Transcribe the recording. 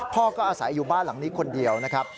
พ่อก็อาศัยอยู่บ้านหลังนี้คนเดียวนะครับ